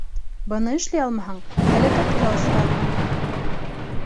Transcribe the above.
Быны эшләй алмаһаң, һәләкәткә осрарһың!